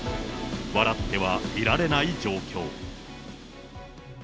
笑ってはいられない状況。